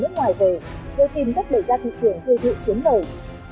nước ngoài về rồi tìm cách đẩy ra thị trường tiêu thụ kiếm lời